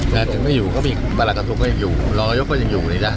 แต่ถึงไม่อยู่ก็มีละกระทุกษ์ก็ยังอยู่รองรายกรก็ยังอยู่อย่างนี้จ้ะ